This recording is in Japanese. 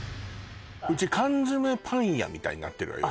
うち缶詰パン屋みたいになってるわよ